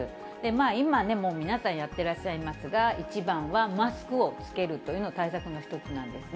今ね、もう皆さんやってらっしゃいますが、一番はマスクを着けるというのが対策の一つなんですね。